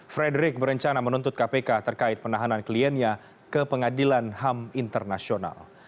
frederick berencana menuntut kpk terkait penahanan kliennya ke pengadilan ham internasional